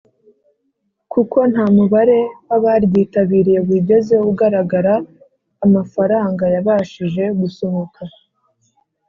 Kuko Nta Mubare W Abaryitabiriye Wigeze Ugaragara Amafaranga Yabashije gusohoka